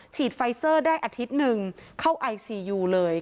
ไฟเซอร์ได้อาทิตย์หนึ่งเข้าไอซียูเลย